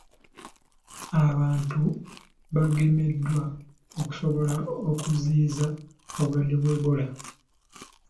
Abantu bagemeddwa okusobola okuziyiza obulwadde bwa Ebola.